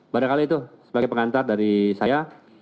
pada kali itu sebagai pengantar dari saya